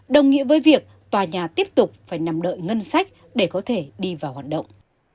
đồng nghĩa với việc tòa nhà tiếp tục phải nằm đợi ngân sách để có thể đi vào hoạt động